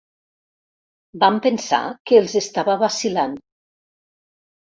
Van pensar que els estava vacil·lant.